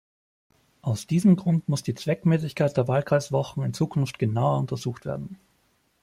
Aus diesem Grund muss die Zweckmäßigkeit der Wahlkreiswochen in Zukunft genauer untersucht werden.